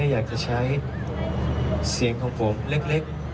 อยากจะใช้เสียงของผมเล็ก